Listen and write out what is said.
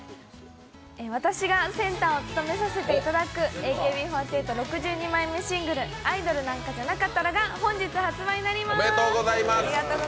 私がセンターを務めさせていただくＡＫＢ４８、６２枚目のシングル、「アイドルなんかじゃなかったら」が本日発売になります。